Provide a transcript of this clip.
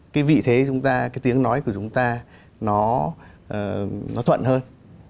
cái vị thế chúng ta cái tiếng nói của chúng ta nó thuận hơn